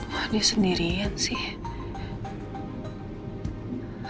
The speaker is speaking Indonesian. wah dia sendirian sih